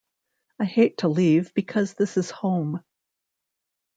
I hate to leave because this is home.